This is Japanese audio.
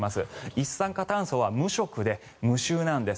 一酸化炭素は無色で無臭なんです。